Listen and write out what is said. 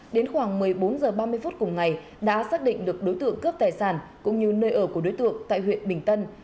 đến khoảng một mươi bốn h ba mươi phút cùng ngày đã xác định được đối tượng cướp tài sản cũng như nơi ở của đối tượng tại huyện bình tân